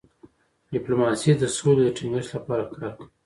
ډيپلوماسي د سولې د ټینګښت لپاره کار کوي.